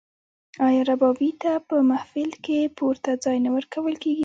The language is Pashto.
آیا ربابي ته په محفل کې پورته ځای نه ورکول کیږي؟